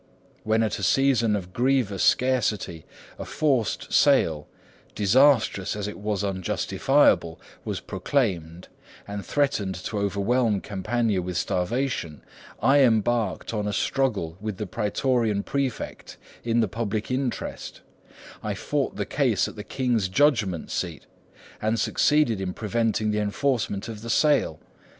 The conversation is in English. When at a season of grievous scarcity a forced sale, disastrous as it was unjustifiable, was proclaimed, and threatened to overwhelm Campania with starvation, I embarked on a struggle with the prætorian prefect in the public interest, I fought the case at the king's judgment seat, and succeeded in preventing the enforcement of the sale.